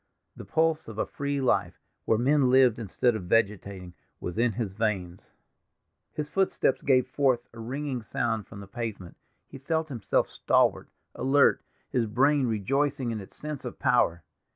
The pulse of a free life, where men lived instead of vegetating, was in his veins. His footstep gave forth a ringing sound from the pavement; he felt himself stalwart, alert, his brain rejoicing in its sense of power.